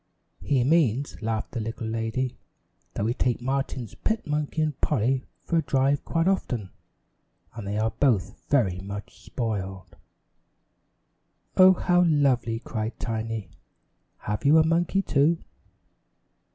"He means," laughed the little lady, "that we take Martin's pet monkey and Polly for a drive quite often and they are both very much spoiled." "Oh, how lovely!" cried Tiny. "Have you a monkey, too?"